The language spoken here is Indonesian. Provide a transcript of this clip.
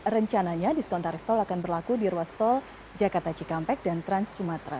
rencananya diskon tarif tol akan berlaku di ruas tol jakarta cikampek dan trans sumatera